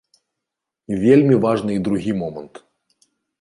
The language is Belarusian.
Вельмі важны і другі момант.